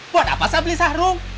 buat apa saya beli sahru